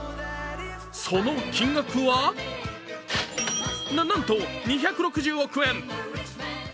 その金額は、ななんと２６０億円。